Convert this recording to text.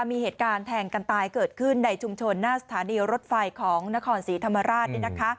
มีเหตุการณ์แทงกันตายเกิดขึ้นในชุมชนหน้าสถานีรถไฟของนครศรีธรรมราช